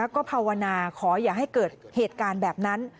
ก็ภาวนาขออย่าให้เกิดเหตุการณ์แบบนั้น